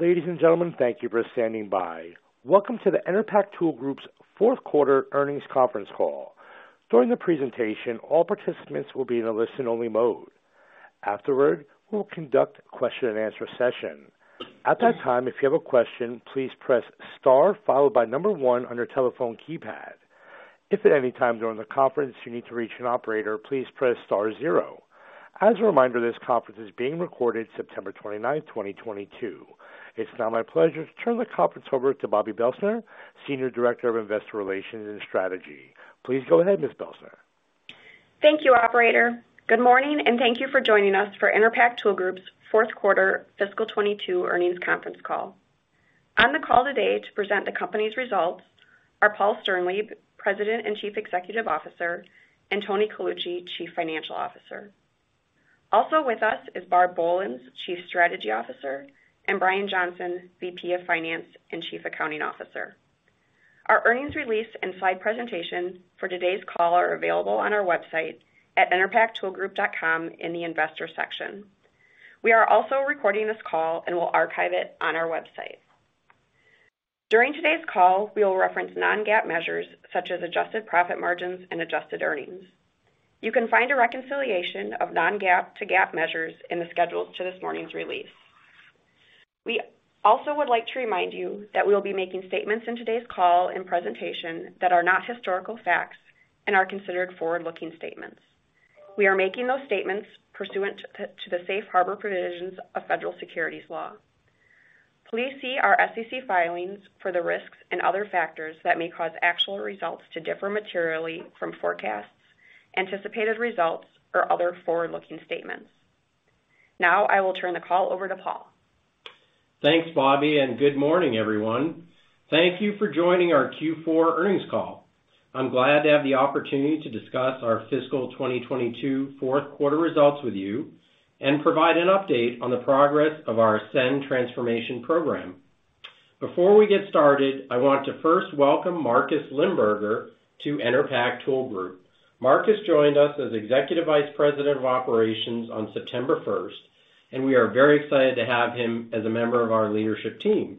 Ladies and gentlemen, thank you for standing by. Welcome to the Enerpac Tool Group's fourth quarter earnings conference call. During the presentation, all participants will be in a listen-only mode. Afterward, we'll conduct a question-and-answer session. At that time, if you have a question, please press star followed by number one on your telephone keypad. If at any time during the conference you need to reach an operator, please press star zero. As a reminder, this conference is being recorded September 29th, 2022. It's now my pleasure to turn the conference over to Bobbi Belstner, Senior Director of Investor Relations and Strategy. Please go ahead, Ms. Belstner. Thank you, operator. Good morning, and thank you for joining us for Enerpac Tool Group's fourth quarter fiscal 2022 earnings conference call. On the call today to present the company's results are Paul Sternlieb, President and Chief Executive Officer, and Anthony Colucci, Chief Financial Officer. Also with us is Barb Bolens, Chief Strategy Officer, and Bryan Johnson, VP of Finance and Chief Accounting Officer. Our earnings release and slide presentation for today's call are available on our website at enerpactoolgroup.com in the investor section. We are also recording this call and will archive it on our website. During today's call, we will reference non-GAAP measures such as adjusted profit margins and adjusted earnings. You can find a reconciliation of non-GAAP to GAAP measures in the schedules to this morning's release. We also would like to remind you that we'll be making statements in today's call and presentation that are not historical facts and are considered forward-looking statements. We are making those statements pursuant to the safe harbor provisions of federal securities law. Please see our SEC filings for the risks and other factors that may cause actual results to differ materially from forecasts, anticipated results, or other forward-looking statements. Now, I will turn the call over to Paul. Thanks, Bobby, and good morning, everyone. Thank you for joining our Q4 earnings call. I'm glad to have the opportunity to discuss our fiscal 2022 fourth quarter results with you and provide an update on the progress of our ASCEND transformation program. Before we get started, I want to first welcome Markus Limberger to Enerpac Tool Group. Markus joined us as Executive Vice President of Operations on September 1st, and we are very excited to have him as a member of our leadership team.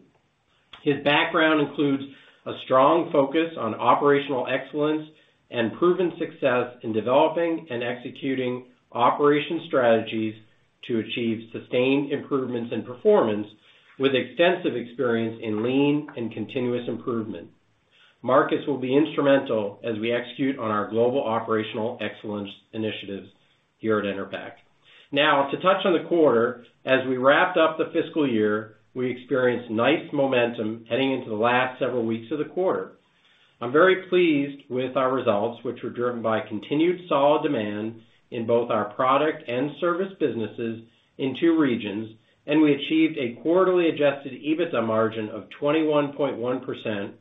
His background includes a strong focus on operational excellence and proven success in developing and executing operational strategies to achieve sustained improvements in performance, with extensive experience in lean and continuous improvement. Markus will be instrumental as we execute on our global operational excellence initiatives here at Enerpac. Now, to touch on the quarter, as we wrapped up the fiscal year, we experienced nice momentum heading into the last several weeks of the quarter. I'm very pleased with our results, which were driven by continued solid demand in both our product and service businesses in two regions, and we achieved a quarterly Adjusted EBITDA margin of 21.1%,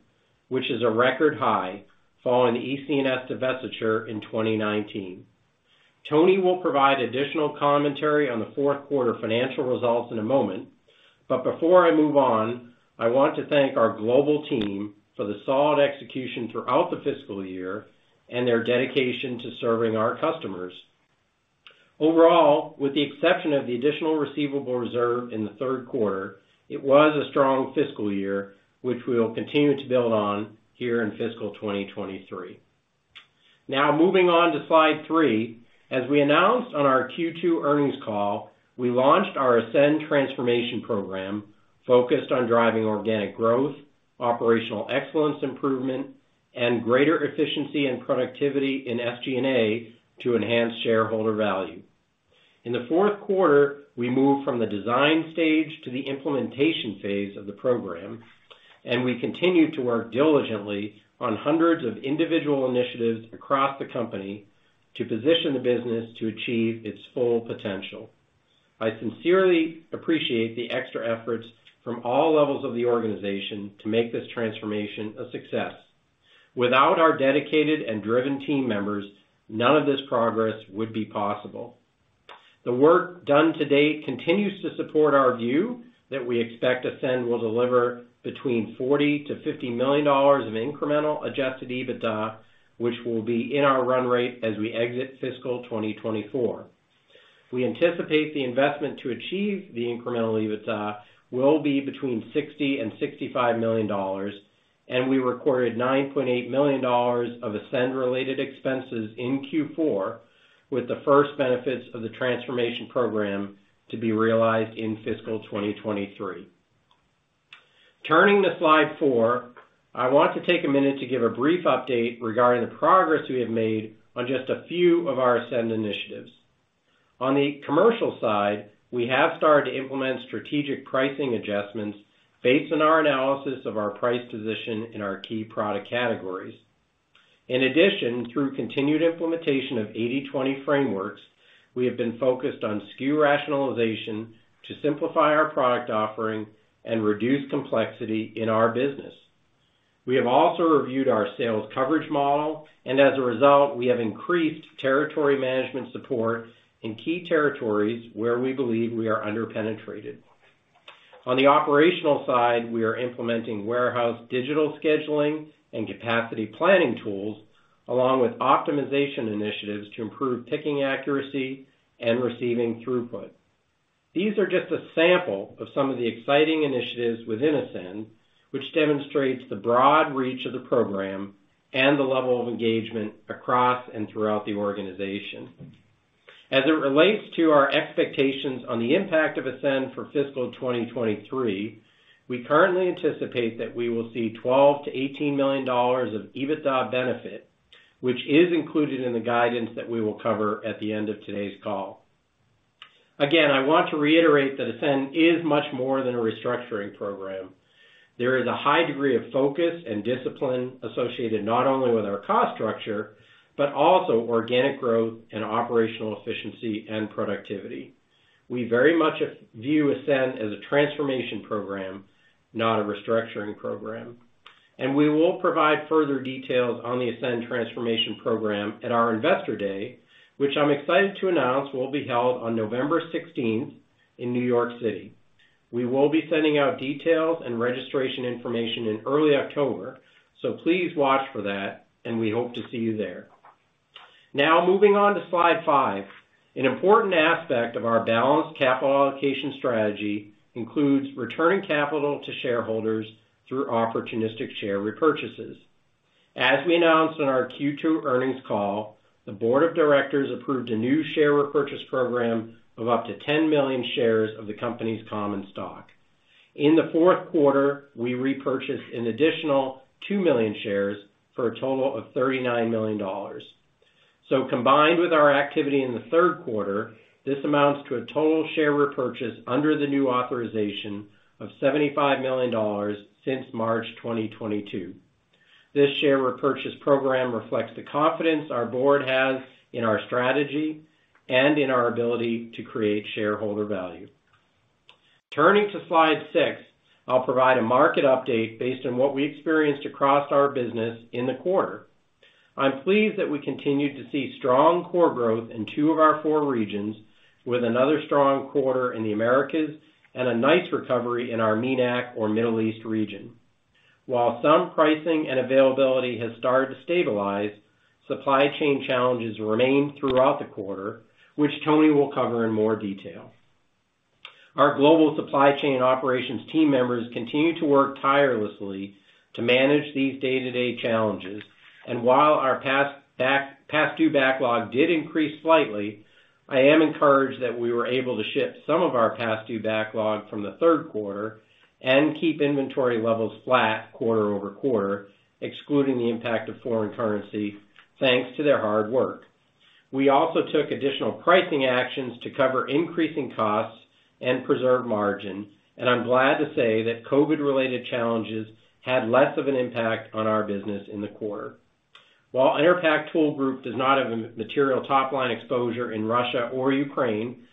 which is a record high following the EC&S divestiture in 2019. Tony will provide additional commentary on the fourth quarter financial results in a moment. Before I move on, I want to thank our global team for the solid execution throughout the fiscal year and their dedication to serving our customers. Overall, with the exception of the additional receivable reserve in the third quarter, it was a strong fiscal year, which we'll continue to build on here in fiscal 2023. Now, moving on to slide three. As we announced on our Q2 earnings call, we launched our ASCEND transformation program focused on driving organic growth, operational excellence improvement, and greater efficiency and productivity in SG&A to enhance shareholder value. In the fourth quarter, we moved from the design stage to the implementation phase of the program, and we continue to work diligently on hundreds of individual initiatives across the company to position the business to achieve its full potential. I sincerely appreciate the extra efforts from all levels of the organization to make this transformation a success. Without our dedicated and driven team members, none of this progress would be possible. The work done to date continues to support our view that we expect ASCEND will deliver between $40 million-$50 million of incremental Adjusted EBITDA, which will be in our run rate as we exit fiscal 2024. We anticipate the investment to achieve the incremental EBITDA will be between $60 million and $65 million, and we recorded $9.8 million of ASCEND-related expenses in Q4, with the first benefits of the transformation program to be realized in fiscal 2023. Turning to slide four, I want to take a minute to give a brief update regarding the progress we have made on just a few of our ASCEND initiatives. On the commercial side, we have started to implement strategic pricing adjustments based on our analysis of our price position in our key product categories. In addition, through continued implementation of 80/20 frameworks, we have been focused on SKU rationalization to simplify our product offering and reduce complexity in our business. We have also reviewed our sales coverage model, and as a result, we have increased territory management support in key territories where we believe we are under-penetrated. On the operational side, we are implementing warehouse digital scheduling and capacity planning tools, along with optimization initiatives to improve picking accuracy and receiving throughput. These are just a sample of some of the exciting initiatives within ASCEND, which demonstrates the broad reach of the program and the level of engagement across and throughout the organization. As it relates to our expectations on the impact of ASCEND for fiscal 2023, we currently anticipate that we will see $12 million-$18 million of EBITDA benefit, which is included in the guidance that we will cover at the end of today's call. Again, I want to reiterate that ASCEND is much more than a restructuring program. There is a high degree of focus and discipline associated not only with our cost structure, but also organic growth and operational efficiency and productivity. We very much view ASCEND as a transformation program, not a restructuring program, and we will provide further details on the ASCEND transformation program at our Investor Day, which I'm excited to announce will be held on November 16th in New York City. We will be sending out details and registration information in early October, so please watch for that, and we hope to see you there. Now, moving on to slide five. An important aspect of our balanced capital allocation strategy includes returning capital to shareholders through opportunistic share repurchases. As we announced on our Q2 earnings call, the board of directors approved a new share repurchase program of up to 10 million shares of the company's common stock. In the fourth quarter, we repurchased an additional 2 million shares for a total of $39 million. Combined with our activity in the third quarter, this amounts to a total share repurchase under the new authorization of $75 million since March 2022. This share repurchase program reflects the confidence our board has in our strategy and in our ability to create shareholder value. Turning to slide six, I'll provide a market update based on what we experienced across our business in the quarter. I'm pleased that we continued to see strong core growth in two of our four regions, with another strong quarter in the Americas and a nice recovery in our MENAC or Middle East region. While some pricing and availability has started to stabilize, supply chain challenges remained throughout the quarter, which Tony will cover in more detail. Our global supply chain operations team members continue to work tirelessly to manage these day-to-day challenges. While our past due backlog did increase slightly, I am encouraged that we were able to ship some of our past due backlog from the third quarter and keep inventory levels flat quarter-over-quarter, excluding the impact of foreign currency, thanks to their hard work. We also took additional pricing actions to cover increasing costs and preserve margin, and I'm glad to say that COVID-related challenges had less of an impact on our business in the quarter. While Enerpac Tool Group does not have a material top-line exposure in Russia or Ukraine,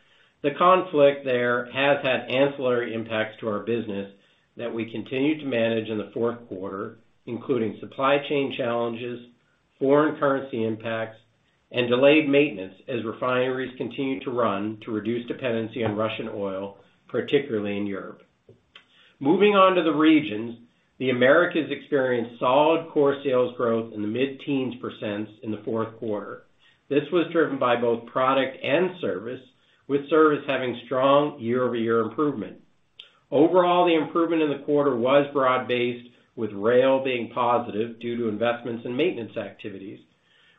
the conflict there has had ancillary impacts to our business that we continued to manage in the fourth quarter, including supply chain challenges, foreign currency impacts, and delayed maintenance as refineries continued to run to reduce dependency on Russian oil, particularly in Europe. Moving on to the regions. The Americas experienced solid core sales growth in the mid-teens percent in the fourth quarter. This was driven by both product and service, with service having strong year-over-year improvement. Overall, the improvement in the quarter was broad-based, with rail being positive due to investments in maintenance activities.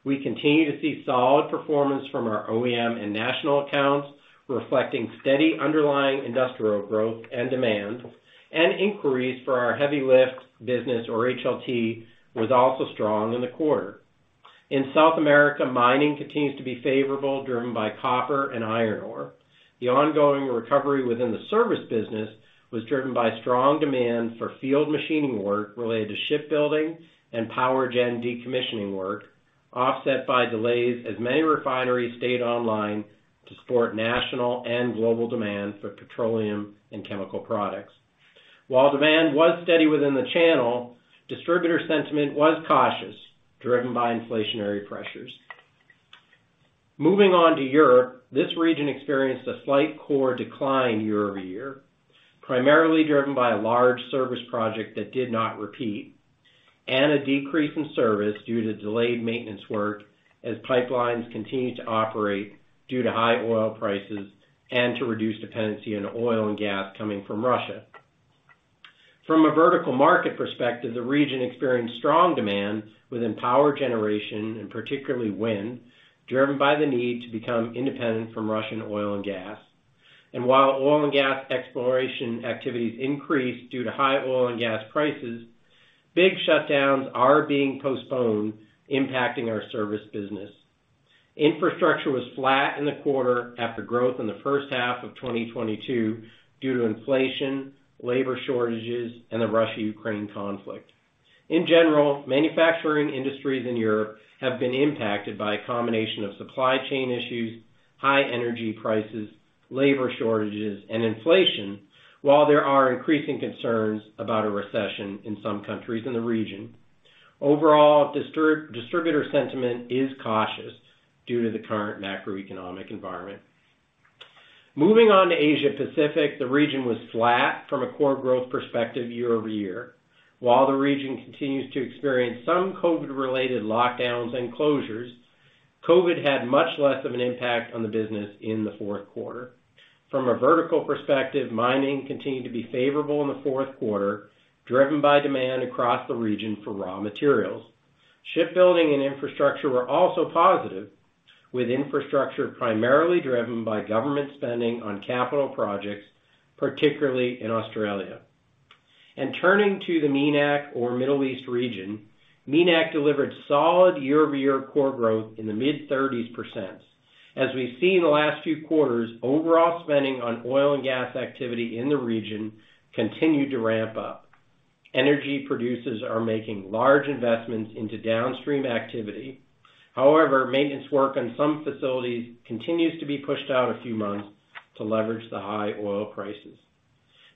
We continue to see solid performance from our OEM and national accounts, reflecting steady underlying industrial growth and demand, and inquiries for our heavy lift business, or HLT, was also strong in the quarter. In South America, mining continues to be favorable, driven by copper and iron ore. The ongoing recovery within the service business was driven by strong demand for field machining work related to shipbuilding and power gen decommissioning work, offset by delays as many refineries stayed online to support national and global demand for petroleum and chemical products. While demand was steady within the channel, distributor sentiment was cautious, driven by inflationary pressures. Moving on to Europe. This region experienced a slight core decline year-over-year, primarily driven by a large service project that did not repeat, and a decrease in service due to delayed maintenance work as pipelines continued to operate due to high oil prices and to reduce dependency on oil and gas coming from Russia. From a vertical market perspective, the region experienced strong demand within power generation, and particularly wind, driven by the need to become independent from Russian oil and gas. While oil and gas exploration activities increased due to high oil and gas prices, big shutdowns are being postponed, impacting our service business. Infrastructure was flat in the quarter after growth in the first half of 2022 due to inflation, labor shortages, and the Russia-Ukraine conflict. In general, manufacturing industries in Europe have been impacted by a combination of supply chain issues, high energy prices, labor shortages, and inflation, while there are increasing concerns about a recession in some countries in the region. Overall, distributor sentiment is cautious due to the current macroeconomic environment. Moving on to Asia Pacific. The region was flat from a core growth perspective year-over-year. While the region continues to experience some COVID-related lockdowns and closures. COVID had much less of an impact on the business in the fourth quarter. From a vertical perspective, mining continued to be favorable in the fourth quarter, driven by demand across the region for raw materials. Shipbuilding and infrastructure were also positive, with infrastructure primarily driven by government spending on capital projects, particularly in Australia. Turning to the MENAC or Middle East region, MENAC delivered solid year-over-year core growth in the mid-30s%. As we've seen in the last few quarters, overall spending on oil and gas activity in the region continued to ramp up. Energy producers are making large investments into downstream activity. However, maintenance work on some facilities continues to be pushed out a few months to leverage the high oil prices.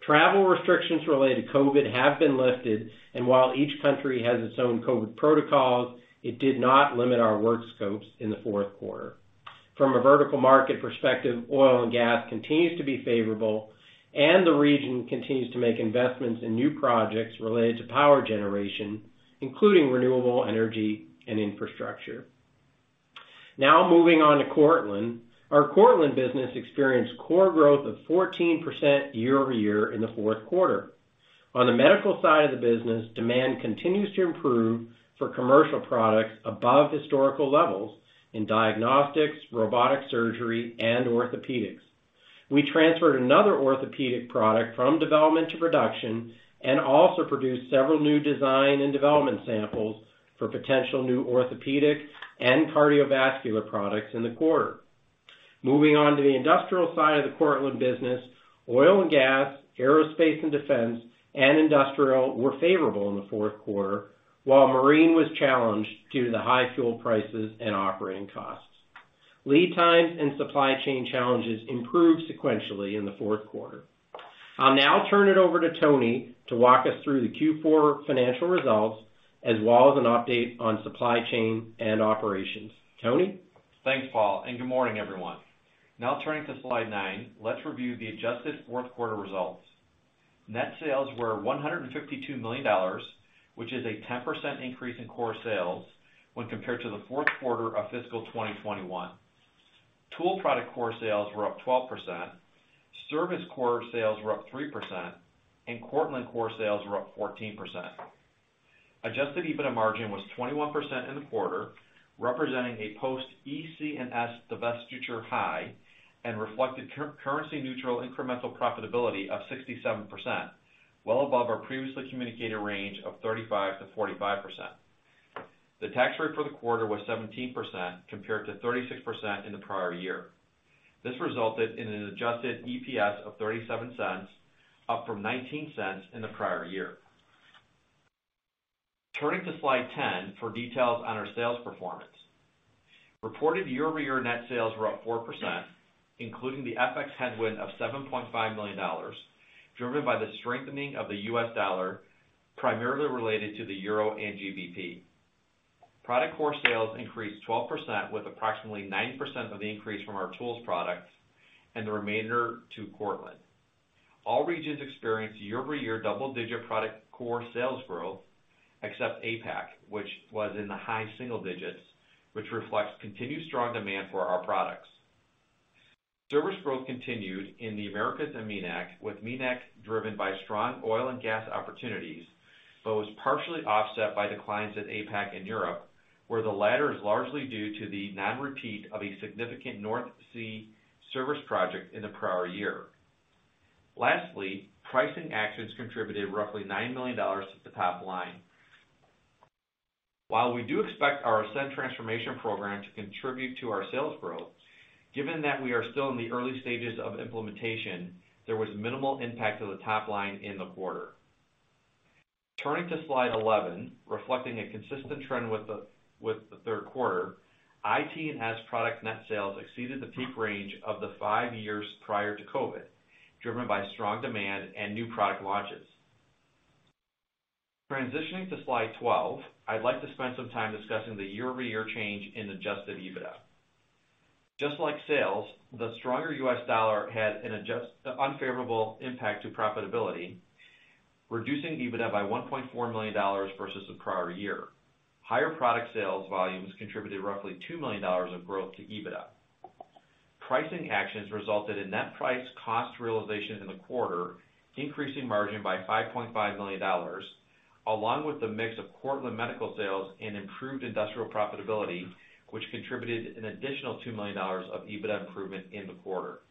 Travel restrictions related to COVID have been lifted, and while each country has its own COVID protocols, it did not limit our work scopes in the fourth quarter. From a vertical market perspective, oil and gas continues to be favorable, and the region continues to make investments in new projects related to power generation, including renewable energy and infrastructure. Now, moving on to Cortland. Our Cortland business experienced core growth of 14% year-over-year in the fourth quarter. On the medical side of the business, demand continues to improve for commercial products above historical levels in diagnostics, robotic surgery, and orthopedics. We transferred another orthopedic product from development to production and also produced several new design and development samples for potential new orthopedic and cardiovascular products in the quarter. Moving on to the industrial side of the Cortland business, oil and gas, aerospace and defense, and industrial were favorable in the fourth quarter, while marine was challenged due to the high fuel prices and operating costs. Lead times and supply chain challenges improved sequentially in the fourth quarter. I'll now turn it over to Tony to walk us through the Q4 financial results as well as an update on supply chain and operations. Tony? Thanks, Paul, and good morning, everyone. Now turning to slide nine, let's review the adjusted fourth quarter results. Net sales were $152 million, which is a 10% increase in core sales when compared to the fourth quarter of fiscal 2021. Tool product core sales were up 12%, service core sales were up 3%, and Cortland core sales were up 14%. Adjusted EBITDA margin was 21% in the quarter, representing a post-EC&S divestiture high and reflected currency neutral incremental profitability of 67%, well above our previously communicated range of 35%-45%. The tax rate for the quarter was 17% compared to 36% in the prior year. This resulted in an Adjusted EPS of $0.37, up from $0.19 in the prior year. Turning to slide 10 for details on our sales performance. Reported year-over-year net sales were up 4%, including the FX headwind of $7.5 million, driven by the strengthening of the U.S. dollar, primarily related to the euro and GBP. Product core sales increased 12% with approximately 9% of the increase from our tools products and the remainder to Cortland. All regions experienced year-over-year double-digit product core sales growth, except APAC, which was in the high single digits, which reflects continued strong demand for our products. Service growth continued in the Americas and MENAC, with MENAC driven by strong oil and gas opportunities, but was partially offset by declines at APAC and Europe, where the latter is largely due to the non-repeat of a significant North Sea service project in the prior year. Lastly, pricing actions contributed roughly $9 million to the top line. While we do expect our ASCEND transformation program to contribute to our sales growth, given that we are still in the early stages of implementation, there was minimal impact to the top line in the quarter. Turning to slide 11, reflecting a consistent trend with the third quarter, IT&S product net sales exceeded the peak range of the five years prior to COVID, driven by strong demand and new product launches. Transitioning to slide 12, I'd like to spend some time discussing the year-over-year change in Adjusted EBITDA. Just like sales, the stronger U.S. dollar had an unfavorable impact to profitability, reducing EBITDA by $1.4 million versus the prior year. Higher product sales volumes contributed roughly $2 million of growth to EBITDA. Pricing actions resulted in net price cost realization in the quarter, increasing margin by $5.5 million, along with the mix of Cortland medical sales and improved industrial profitability, which contributed an additional $2 million of EBITDA improvement in the quarter.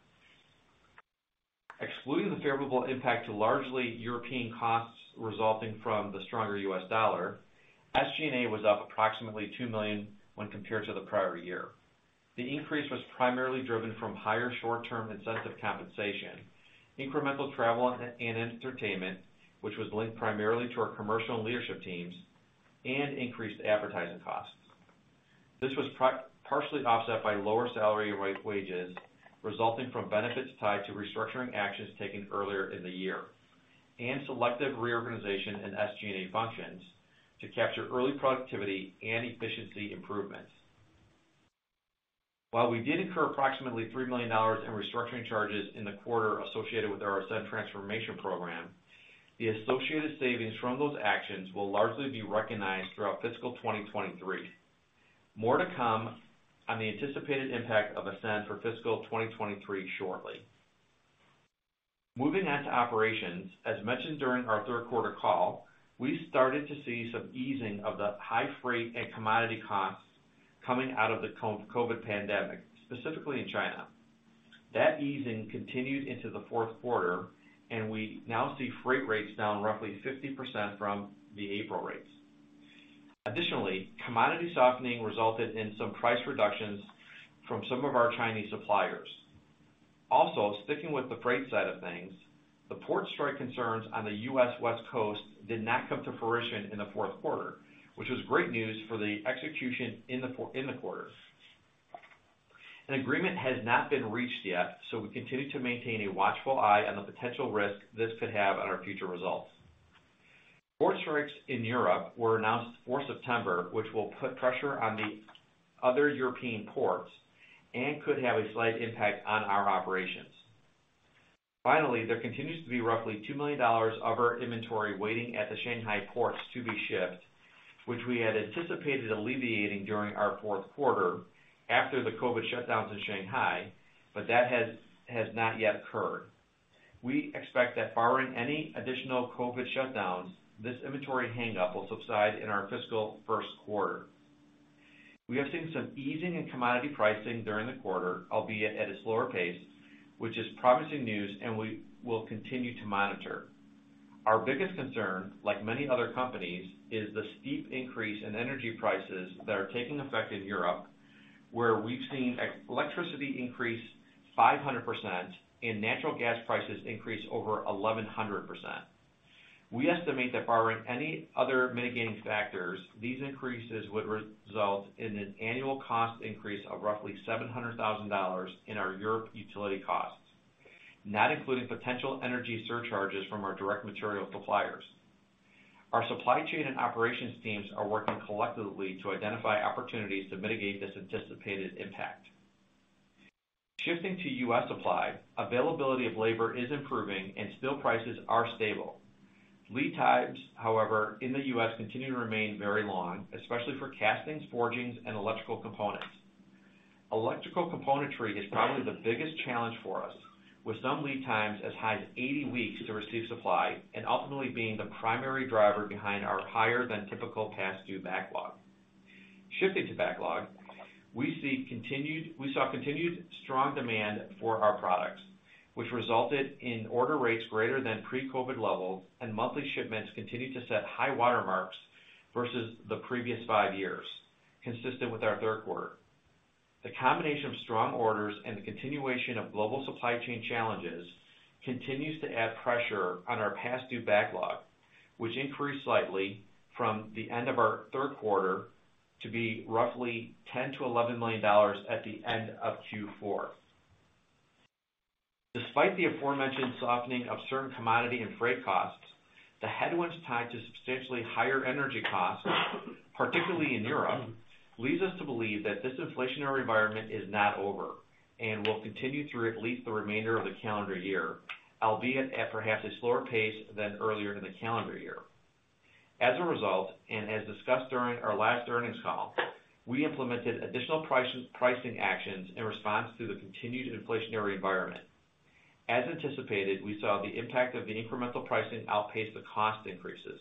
Excluding the favorable impact to largely European costs resulting from the stronger U.S. dollar, SG&A was up approximately $2 million when compared to the prior year. The increase was primarily driven from higher short-term incentive compensation, incremental travel and entertainment, which was linked primarily to our commercial and leadership teams, and increased advertising costs. This was partially offset by lower salary and wages resulting from benefits tied to restructuring actions taken earlier in the year and selective reorganization in SG&A functions to capture early productivity and efficiency improvements. While we did incur approximately $3 million in restructuring charges in the quarter associated with our ASCEND transformation program, the associated savings from those actions will largely be recognized throughout fiscal 2023. More to come on the anticipated impact of ASCEND for fiscal 2023 shortly. Moving on to operations. As mentioned during our third quarter call, we started to see some easing of the high freight and commodity costs coming out of the COVID pandemic, specifically in China. That easing continued into the fourth quarter, and we now see freight rates down roughly 50% from the April rates. Additionally, commodity softening resulted in some price reductions from some of our Chinese suppliers. Also, sticking with the freight side of things, the port strike concerns on the U.S. West Coast did not come to fruition in the fourth quarter, which was great news for the execution in the quarter. An agreement has not been reached yet, so we continue to maintain a watchful eye on the potential risk this could have on our future results. Port strikes in Europe were announced for September, which will put pressure on the other European ports and could have a slight impact on our operations. Finally, there continues to be roughly $2 million of our inventory waiting at the Shanghai ports to be shipped, which we had anticipated alleviating during our fourth quarter after the COVID shutdowns in Shanghai, but that has not yet occurred. We expect that barring any additional COVID shutdowns, this inventory hangup will subside in our fiscal first quarter. We have seen some easing in commodity pricing during the quarter, albeit at a slower pace, which is promising news, and we will continue to monitor. Our biggest concern, like many other companies, is the steep increase in energy prices that are taking effect in Europe, where we've seen electricity increase 500% and natural gas prices increase over 1,100%. We estimate that barring any other mitigating factors, these increases would result in an annual cost increase of roughly $700,000 in our European utility costs, not including potential energy surcharges from our direct material suppliers. Our supply chain and operations teams are working collectively to identify opportunities to mitigate this anticipated impact. Shifting to U.S. supply, availability of labor is improving and steel prices are stable. Lead times, however, in the U.S. continue to remain very long, especially for castings, forgings, and electrical components. Electrical componentry is probably the biggest challenge for us, with some lead times as high as 80 weeks to receive supply and ultimately being the primary driver behind our higher than typical past due backlog. Shifting to backlog. We saw continued strong demand for our products, which resulted in order rates greater than pre-COVID levels, and monthly shipments continued to set high water marks versus the previous five years, consistent with our third quarter. The combination of strong orders and the continuation of global supply chain challenges continues to add pressure on our past due backlog, which increased slightly from the end of our third quarter to be roughly $10 million-$11 million at the end of Q4. Despite the aforementioned softening of certain commodity and freight costs, the headwinds tied to substantially higher energy costs, particularly in Europe, leads us to believe that this inflationary environment is not over and will continue through at least the remainder of the calendar year, albeit at perhaps a slower pace than earlier in the calendar year. As a result, and as discussed during our last earnings call, we implemented additional pricing actions in response to the continued inflationary environment. As anticipated, we saw the impact of the incremental pricing outpace the cost increases.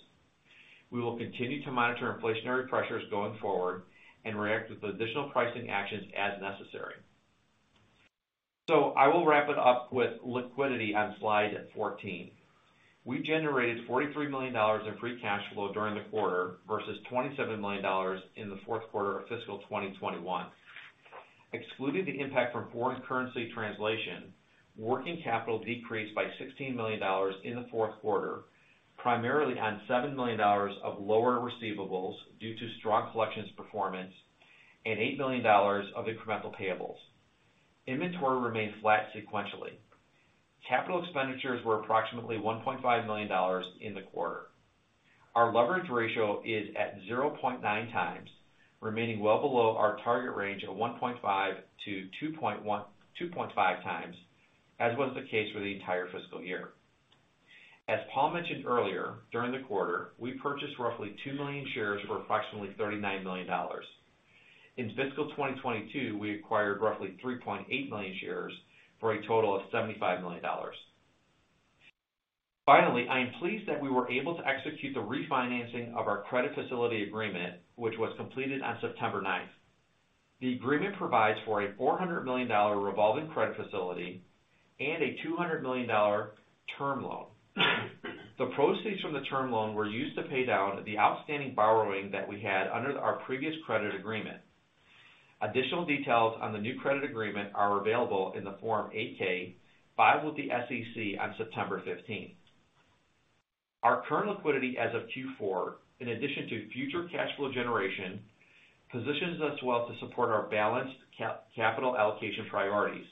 We will continue to monitor inflationary pressures going forward and react with additional pricing actions as necessary. I will wrap it up with liquidity on slide 14. We generated $43 million in free cash flow during the quarter versus $27 million in the fourth quarter of fiscal 2021. Excluding the impact from foreign currency translation, working capital decreased by $16 million in the fourth quarter, primarily on $7 million of lower receivables due to strong collections performance and $8 million of incremental payables. Inventory remained flat sequentially. Capital expenditures were approximately $1.5 million in the quarter. Our leverage ratio is at 0.9x, remaining well below our target range of 1.5-2.5x, as was the case for the entire fiscal year. As Paul mentioned earlier, during the quarter, we purchased roughly 2 million shares for approximately $39 million. In fiscal 2022, we acquired roughly 3.8 million shares for a total of $75 million. Finally, I am pleased that we were able to execute the refinancing of our credit facility agreement, which was completed on September 9th. The agreement provides for a $400 million revolving credit facility and a $200 million term loan. The proceeds from the term loan were used to pay down the outstanding borrowing that we had under our previous credit agreement. Additional details on the new credit agreement are available in the Form 8-K filed with the SEC on September 15th. Our current liquidity as of Q4, in addition to future cash flow generation, positions us well to support our balanced capital allocation priorities,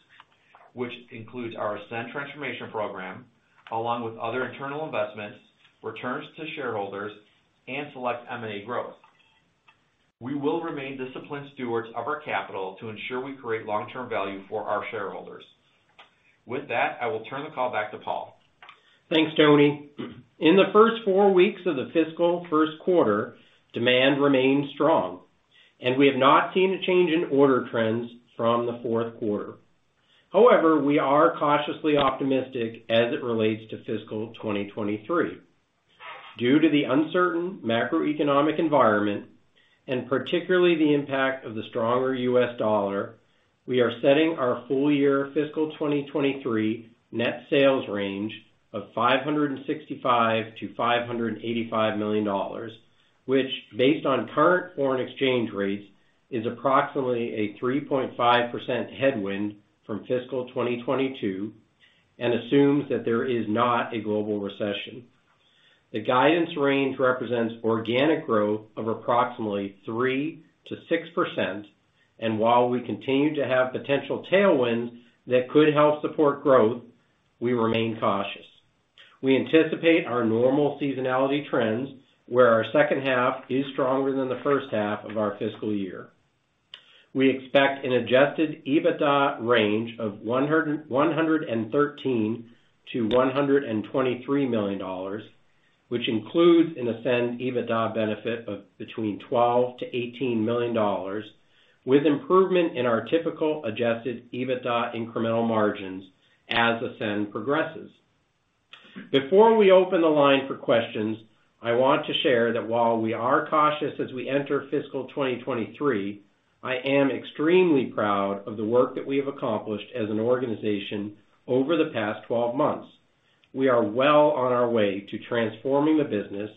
which includes our ASCEND transformation program, along with other internal investments, returns to shareholders, and select M&A growth. We will remain disciplined stewards of our capital to ensure we create long-term value for our shareholders. With that, I will turn the call back to Paul. Thanks, Tony. In the first four weeks of the fiscal first quarter, demand remained strong, and we have not seen a change in order trends from the fourth quarter. However, we are cautiously optimistic as it relates to fiscal 2023. Due to the uncertain macroeconomic environment, and particularly the impact of the stronger U.S. Dollar, we are setting our full year fiscal 2023 net sales range of $565 million-$585 million, which based on current foreign exchange rates, is approximately a 3.5% headwind from fiscal 2022, and assumes that there is not a global recession. The guidance range represents organic growth of approximately 3%-6%. While we continue to have potential tailwinds that could help support growth, we remain cautious. We anticipate our normal seasonality trends, where our second half is stronger than the first half of our fiscal year. We expect an Adjusted EBITDA range of $113 million-$123 million, which includes an ASCEND EBITDA benefit of between $12 million-$18 million, with improvement in our typical Adjusted EBITDA incremental margins as ASCEND progresses. Before we open the line for questions, I want to share that while we are cautious as we enter fiscal 2023, I am extremely proud of the work that we have accomplished as an organization over the past 12 months. We are well on our way to transforming the business,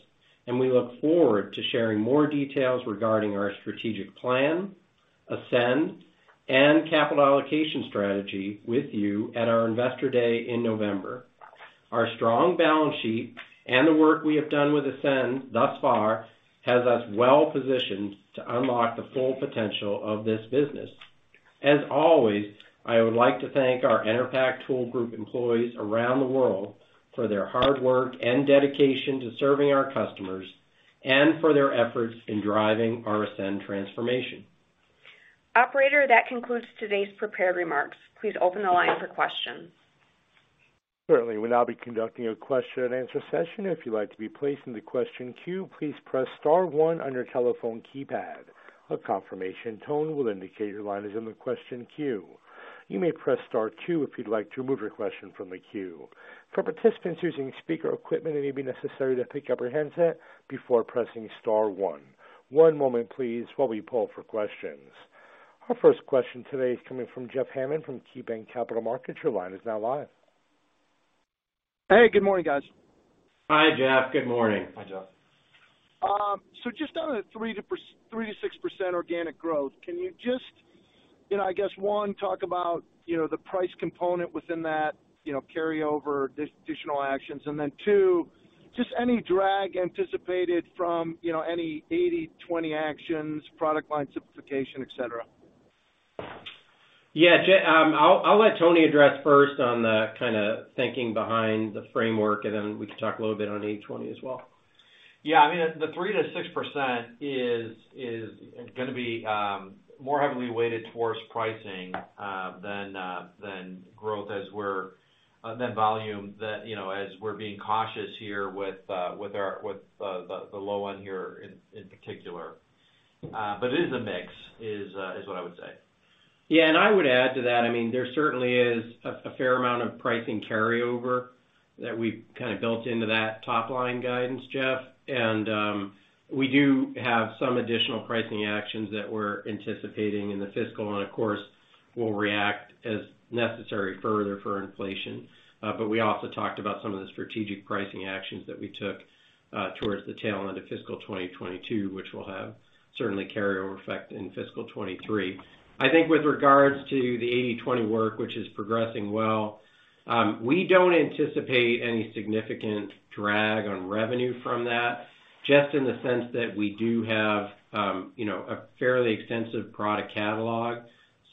and we look forward to sharing more details regarding our strategic plan, ASCEND, and capital allocation strategy with you at our Investor Day in November. Our strong balance sheet and the work we have done with ASCEND thus far has us well positioned to unlock the full potential of this business. As always, I would like to thank our Enerpac Tool Group employees around the world for their hard work and dedication to serving our customers, and for their efforts in driving our ASCEND transformation. Operator, that concludes today's prepared remarks. Please open the line for questions. Certainly. We'll now be conducting a question-and-answer session. If you'd like to be placed in the question queue, please press star one on your telephone keypad. A confirmation tone will indicate your line is in the question queue. You may press star two if you'd like to remove your question from the queue. For participants using speaker equipment, it may be necessary to pick up your handset before pressing star one. One moment please while we poll for questions. Our first question today is coming from Jeff Hammond from KeyBanc Capital Markets. Your line is now live. Hey, good morning, guys. Hi, Jeff. Good morning. Hi, Jeff. Just on the 3%-6% organic growth, can you just, you know, I guess, one, talk about, you know, the price component within that, you know, carryover, this additional actions. Then two, just any drag anticipated from, you know, any 80/20 actions, product line simplification, et cetera? Yeah. I'll let Tony address first on the kind of thinking behind the framework, and then we can talk a little bit on 80/20 as well. Yeah. I mean, the 3%-6% is gonna be more heavily weighted towards pricing than growth than volume that you know as we're being cautious here with the low one here in particular. It is a mix is what I would say. Yeah. I would add to that. I mean, there certainly is a fair amount of pricing carryover that we've kind of built into that top line guidance, Jeff. We do have some additional pricing actions that we're anticipating in the fiscal, and of course, we'll react as necessary further for inflation. But we also talked about some of the strategic pricing actions that we took towards the tail end of fiscal 2022, which will have certainly carryover effect in fiscal 2023. I think with regards to the 80/20 work, which is progressing well, we don't anticipate any significant drag on revenue from that, just in the sense that we do have you know, a fairly extensive product catalog.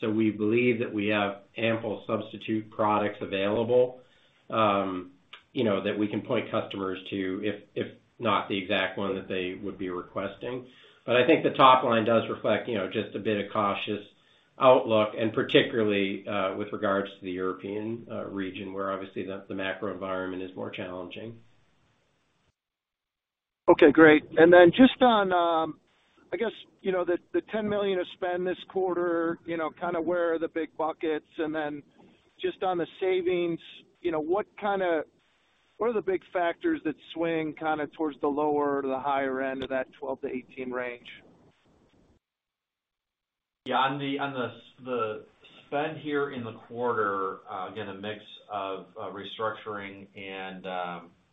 We believe that we have ample substitute products available, you know, that we can point customers to if not the exact one that they would be requesting. I think the top line does reflect, you know, just a bit of cautious outlook, and particularly, with regards to the European region, where obviously the macro environment is more challenging. Okay. Great. Just on, I guess, you know, the $10 million of spend this quarter, you know, kinda where are the big buckets? Just on the savings, you know, what are the big factors that swing kinda towards the lower to the higher end of that $12 million-$18 million range? Yeah. On the spend here in the quarter, again, a mix of restructuring and,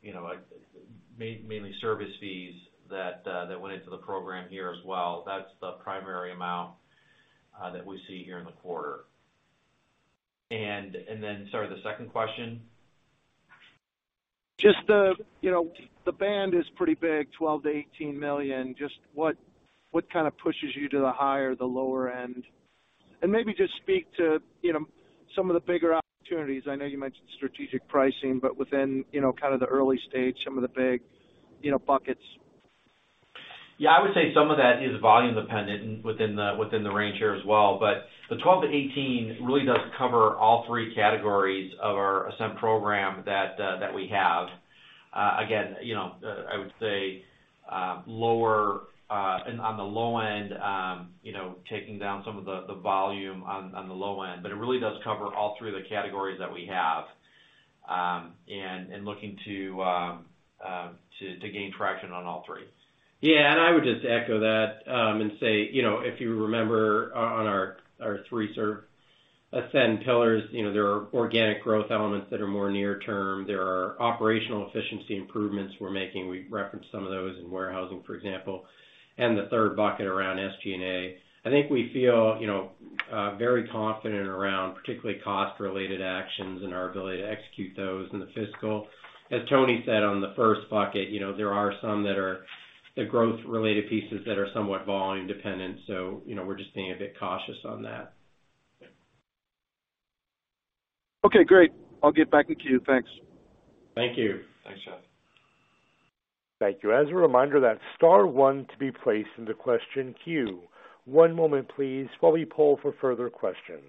you know, like, mainly service fees that went into the program here as well. That's the primary amount that we see here in the quarter. Sorry, the second question? Just the, you know, the band is pretty big, $12 million-$18 million. Just what kind of pushes you to the higher, the lower end? Maybe just speak to, you know, some of the bigger opportunities. I know you mentioned strategic pricing, but within, you know, kind of the early stage, some of the big, you know, buckets. Yeah, I would say some of that is volume dependent within the range here as well. The 12%-18% really does cover all three categories of our ASCEND program that we have. Again, you know, I would say lower and on the low end, you know, taking down some of the volume on the low end. It really does cover all three of the categories that we have, and looking to gain traction on all three. Yeah, I would just echo that, and say, you know, if you remember on our three sort of ASCEND pillars, you know, there are organic growth elements that are more near term. There are operational efficiency improvements we're making. We referenced some of those in warehousing, for example, and the third bucket around SG&A. I think we feel, you know, very confident around particularly cost-related actions and our ability to execute those in the fiscal. As Tony said on the first bucket, you know, there are some that are the growth-related pieces that are somewhat volume dependent. You know, we're just being a bit cautious on that. Okay, great. I'll get back in queue. Thanks. Thank you. Thanks, Jeff. Thank you. As a reminder, that's star one to be placed in the question queue. One moment please while we poll for further questions.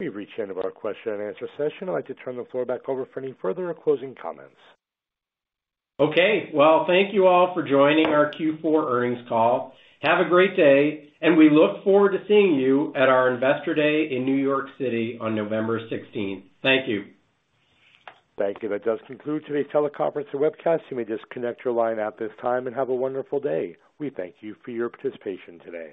We've reached the end of our question and answer session. I'd like to turn the floor back over for any further or closing comments. Okay. Well, thank you all for joining our Q4 earnings call. Have a great day, and we look forward to seeing you at our Investor Day in New York City on November 16th. Thank you. Thank you. That does conclude today's teleconference and webcast. You may disconnect your line at this time and have a wonderful day. We thank you for your participation today.